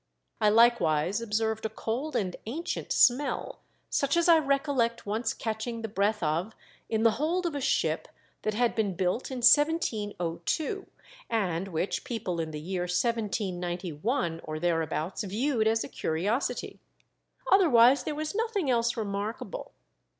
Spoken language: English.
I likewise observed a cold and ancient smell, such as I recollect once catching the breath of in the hold of a ship that had been built in 1702 and which people in the year 1791 or thereabouts viewed as a curiosity. Otherwise there was nothing else remarkable.